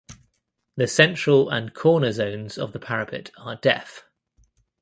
The central and corner zones of the parapet are deaf.